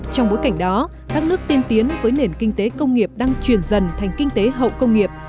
trong bối cảnh đó các nước tiên tiến với nền kinh tế công nghiệp đang chuyển dần thành kinh tế hậu công nghiệp